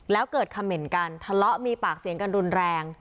แล้วเกิดคำเหม็นกันทะเลาะมีปากเสียงกันรุนแรง